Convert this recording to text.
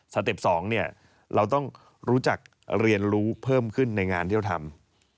เต็ป๒เราต้องรู้จักเรียนรู้เพิ่มขึ้นในงานที่เราทำ